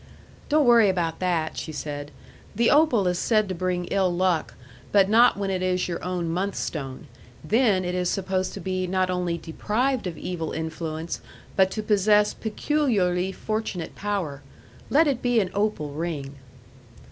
"Don't worry about that," she said. "The opal is said to bring ill luck, but not when it is your own month stone. Then it is supposed to be not only deprived of evil influence, but to possess peculiarly fortunate power. Let it be an opal ring."